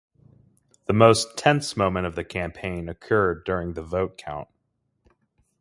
The most tense moment of the campaign occurred during the vote count.